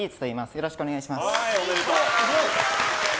よろしくお願いします。